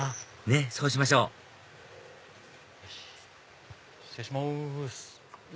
ねっそうしましょう失礼します。